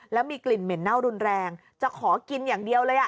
แล้วมีกลิ่นเหม็นเน่ารุนแรงจะขอกินอย่างเดียวเลย